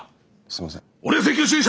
すいません。